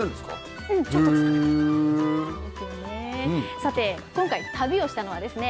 さて今回旅をしたのはですね